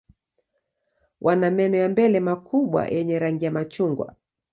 Wana meno ya mbele makubwa yenye rangi ya machungwa.